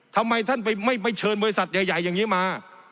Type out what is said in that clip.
ทำไมท่านไม่เชิญบริษัทใหญ่อย่างนี้มา